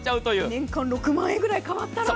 年間６万円ぐらい変わったら。